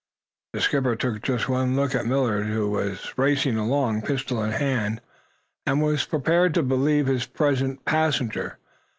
The skipper took just one look at Millard, who was racing along, pistol in hand, and was prepared to believe his present passenger.